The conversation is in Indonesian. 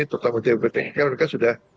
terutama di wptk mereka sudah